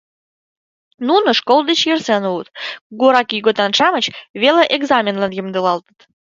Нуно школ деч ярсен улыт, кугурак ийготан-шамыч веле экзаменлан ямдылалтыт.